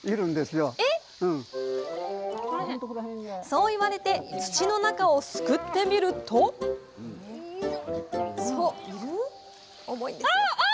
そう言われて土の中をすくってみるとあ！